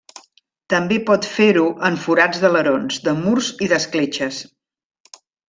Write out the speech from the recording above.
També pot fer-ho en forats d'alerons, de murs i d'escletxes.